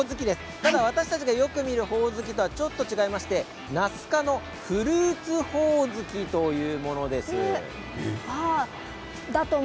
ただ私たちがよく見るほおずきとはちょっと違いましてナス科のフルーツほおずきというものです。